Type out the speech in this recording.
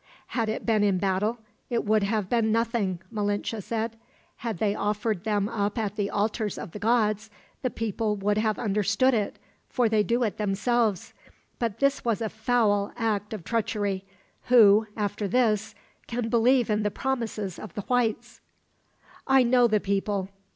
"Had it been in battle, it would have been nothing," Malinche said. "Had they offered them up at the altars of the gods, the people would have understood it, for they do it themselves; but this was a foul act of treachery. Who, after this, can believe in the promises of the whites? "I know the people.